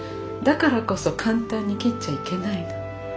だからこそ簡単に切っちゃいけないの。